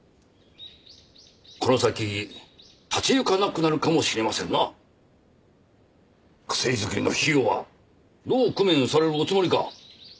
この先立ち行かなくなるかもしれませんな薬作りの費用はどう工面されるおつもりか？